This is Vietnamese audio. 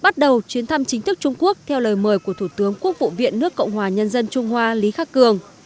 trước trung quốc theo lời mời của thủ tướng quốc vụ viện nước cộng hòa nhân dân trung hoa lý khắc cường